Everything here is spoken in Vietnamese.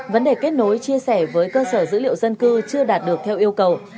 vấn đề kết nối chia sẻ với cơ sở dữ liệu dân cư chưa đạt được theo yêu cầu